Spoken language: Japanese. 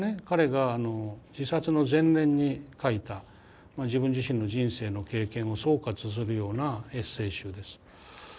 彼が自殺の前年に書いた自分自身の人生の経験を総括するようなエッセー集です。